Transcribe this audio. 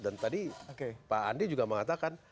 dan tadi pak andi juga mengatakan